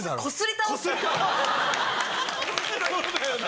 そうだよね。